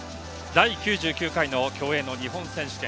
第９９回の競泳の日本選手権。